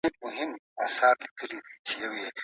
دا واک هغوی ته پدغه غرض ورکول سوی دی.